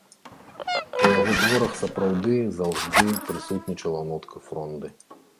У яго творах сапраўды заўжды прысутнічала нотка фронды.